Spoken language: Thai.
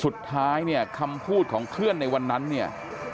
สุดท้ายเนี่ยคำพูดของเพื่อนในวันนั้นเนี่ย